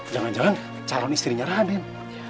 jangan jangan calon istrinya raden